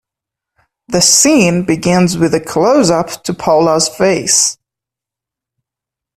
The scene begins with a closeup to Paula's face.